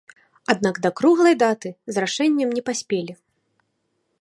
Аднак да круглай даты з рашэннем не паспелі.